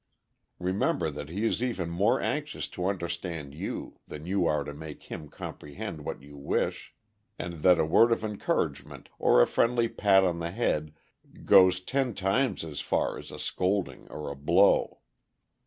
Remember that he is even more anxious to understand you than you are to make him comprehend what you wish, and that a word of encouragement or a friendly pat on the head goes ten times as far as a scolding or a blow.